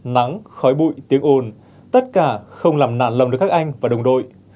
nắng khói bụi tiếng ồn tất cả không làm nản lòng được các anh và đồng đội